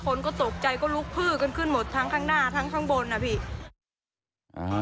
คนก็ตกใจก็ลุกพืชกันขึ้นหมดทั้งข้างหน้าทั้งข้างบนนะพี่